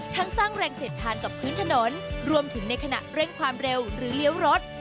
สร้างแรงเสียดทานกับพื้นถนนรวมถึงในขณะเร่งความเร็วหรือเลี้ยวรถ